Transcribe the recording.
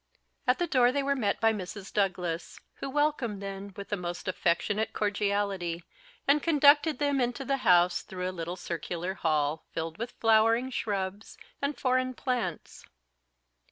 At the door they were met by Mrs. Douglas, who welcomed them with the most affectionate cordiality, and conducted them into the house through a little circular hall, filled with flowering shrubs and foreign plants.